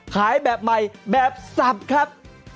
ขายแบบใหม่แบบสับครับ